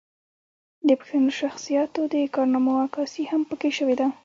د پښتنو شخصياتو د کارنامو عکاسي هم پکښې شوې ده